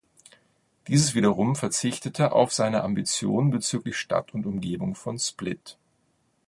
Dieses wiederum verzichtete auf seine Ambitionen bezüglich Stadt und Umgebung von Split.